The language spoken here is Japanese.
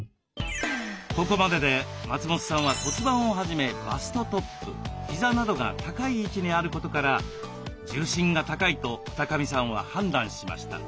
ここまでで松本さんは骨盤をはじめバストトップ膝などが高い位置にあることから重心が高いと二神さんは判断しました。